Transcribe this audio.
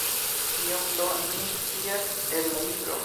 Kion do ni scias el la libro?